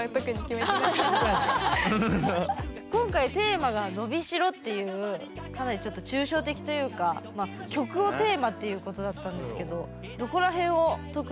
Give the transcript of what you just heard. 今回テーマが「のびしろ」っていうかなりちょっと抽象的というかまあ曲をテーマっていうことだったんですけどどこら辺を特に意識しました？